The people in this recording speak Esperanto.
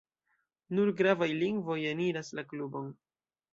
Nur gravaj lingvoj eniras la klubon.